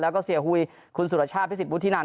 แล้วก็เสียหุยคุณสุรชาติพิสิทธวุฒินัน